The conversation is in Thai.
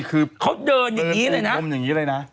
คือเตินปูพรมอย่างนี้เลยนะ